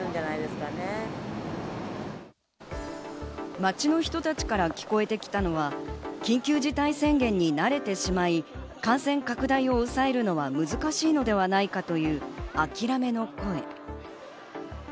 街の人たちから聞こえてきたのは、緊急事態宣言に慣れてしまい、感染拡大を抑えるのは難しいのではないかというあきらめの声。